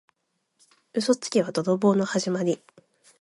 嘘つきは泥棒のはじまり。